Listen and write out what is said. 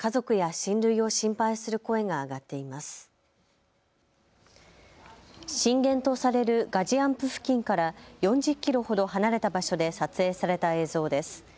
震源とされるガジアンプ付近から４０キロほど離れた場所で撮影された映像です。